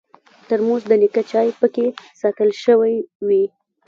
ترموز د نیکه چای پکې ساتل شوی وي.